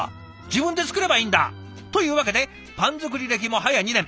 自分で作ればいいんだ」。というわけでパン作り歴も早２年。